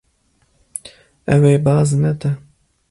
Ew ê baz nede.